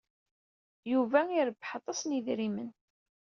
Yuba irebbeḥ aṭas n yedrimen.